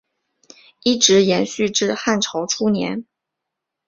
一直延续至汉朝初年。